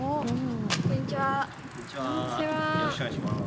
こんにちはよろしくお願いします。